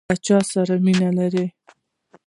له چاسره مینه لرئ؟